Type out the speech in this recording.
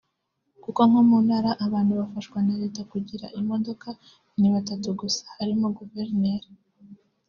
Kuko nko mu ntara abantu bafashwa na leta kugira imodoka ni batatu gusa; hari Guverineri